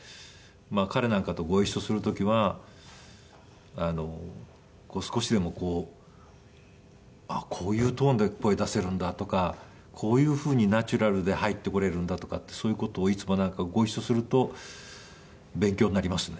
彼なんかとご一緒する時は少しでもこうあっこういうトーンで声出せるんだとかこういうふうにナチュラルで入ってこれるんだとかってそういう事をいつもなんかご一緒すると勉強になりますね。